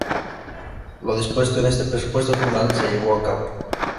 Lo dispuesto en este presupuesto final se llevó a cabo.